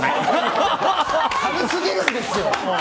軽すぎるんですよ！